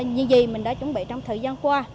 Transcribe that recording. những gì mình đã chuẩn bị trong thời gian qua